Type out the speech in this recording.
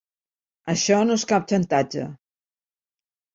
Això no és cap xantatge.